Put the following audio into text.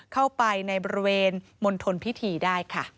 เข้าไปในบริเวณมณฑลพิธีได้ค่ะ